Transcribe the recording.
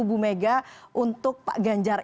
bumega untuk pak ganjar